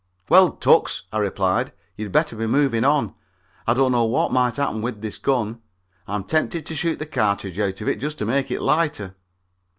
"Well, Tucks," I replied, "you'd better be moving on. I don't know what might happen with this gun. I'm tempted to shoot the cartridge out of it just to make it lighter."